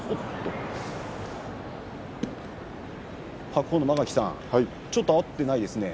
白鵬の間垣さん、ちょっと合っていないですね。